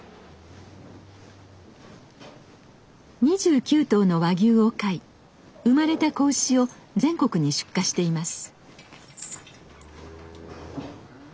２９頭の和牛を飼い産まれた子牛を全国に出荷しています。